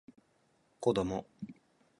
子供